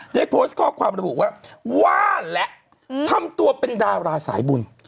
ได้โพสต์ข้อความระบุว่าว่าและทำตัวเป็นดาราสายบุญ